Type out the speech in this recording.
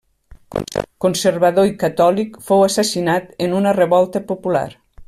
Conservador i catòlic, fou assassinat en una revolta popular.